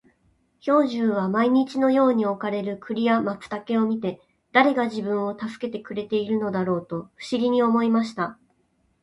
兵十は毎日のように置かれる栗や松茸を見て、誰が自分を助けてくれているのだろうと不思議に思いました。